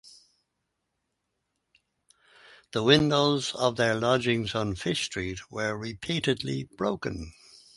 The windows of their lodgings on Fish Street were repeatedly broken.